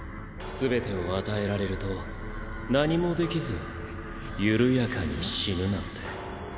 全てを与えられると何もできず緩やかに死ぬなんて。